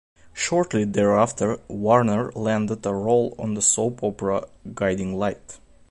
Shortly thereafter, Warner landed a role on the soap opera "Guiding Light".